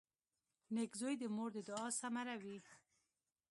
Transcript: • نېک زوی د مور د دعا ثمره وي.